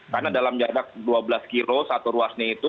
karena dalam jarak dua belas kilo satu ruasnya itu